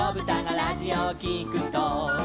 「ラジオをきくと」